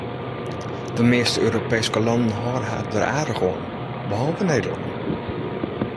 De measte Europeeske lannen hâlde har der aardich oan, behalve Nederlân.